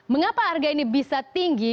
mengapa harga ini bisa tinggi